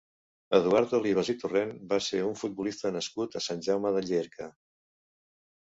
Eduard Olivas i Torrent va ser un futbolista nascut a Sant Jaume de Llierca.